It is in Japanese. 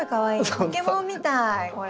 ポケモンみたいこれ。